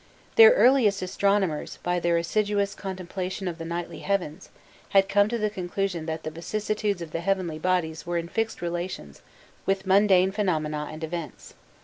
Their earliest astronomers, by their assiduous contemplation of the nightly heavens, had come to the conclusion that the vicissitudes of the heavenly bodies were in fixed relations with mundane phenomena and events.